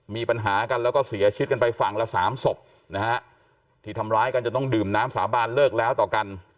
มีปัญหากันแล้วก็เสียชีวิตกันไปฝั่งละสามศพนะฮะที่ทำร้ายกันจนต้องดื่มน้ำสาบานเลิกแล้วต่อกัน